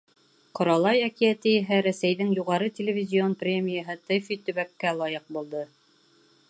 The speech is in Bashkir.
«Ҡоралай» әкиәте иһә Рәсәйҙең юғары телевизион премияһы «ТЭФИ-төбәк»кә лайыҡ булды.